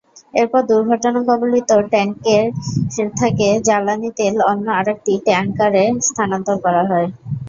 এরপর দুর্ঘটনাকবলিত ট্যাংকার থেকে জ্বালানি তেল অন্য আরেকটি ট্যাংকারে স্থানান্তর করা হয়।